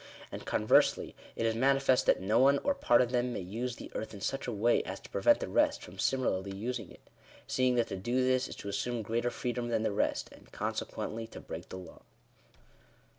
And conversely, it is manifest that no one, or part of them, may use the earth in such a way as to prevent the rest from similarly using it ; seeing that to do this is to assume greater freedom than the rest, and consequently to break the law.